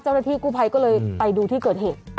เจ้าหน้าที่กู้ภัยก็เลยไปดูที่เกิดเหตุ